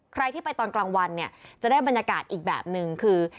ใครที่ไปตอนกลางวันเนี่ยจะได้บรรยากาศอีกแบบนึงคือ